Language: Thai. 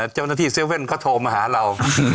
เจ้าหน้าที่๗๑๑เขาโทรมาหาเรา